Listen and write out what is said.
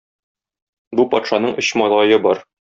Бу патшаның өч малае бар.